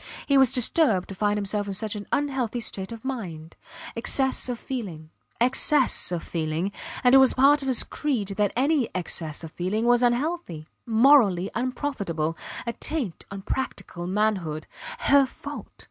He was disturbed to find himself in such an unhealthy state of mind. Excess of feeling excess of feeling; and it was part of his creed that any excess of feeling was unhealthy morally unprofitable; a taint on practical manhood. Her fault.